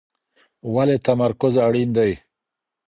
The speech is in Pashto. ولي تمرکز اړین دی؟